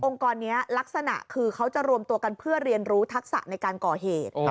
กรนี้ลักษณะคือเขาจะรวมตัวกันเพื่อเรียนรู้ทักษะในการก่อเหตุ